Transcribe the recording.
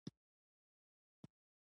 کار د اوسپني کونه غواړي.